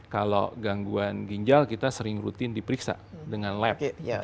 kalau gangguan ginjal kita sering rutin diperiksa dengan lab